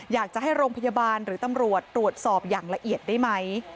อยากจะให้โรงพยาบาลหรือตำรวจตรวจสอบอย่างละเอียดได้ไหม